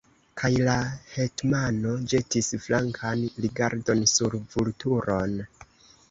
Kaj la hetmano ĵetis flankan rigardon sur Vulturon.